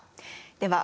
では